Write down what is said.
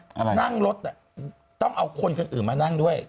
จะให้นั่งรถต้องเอาคนคนอื่นมานั่งด้วย